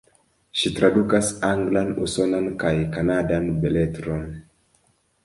Ŝi tradukas anglan, usonan kaj kanadan beletron.